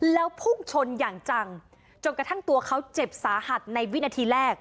แล้วพุ่งชนอย่างจังจนกระทั่งตัวเขาเจ็บสาหัสในวินาทีแรก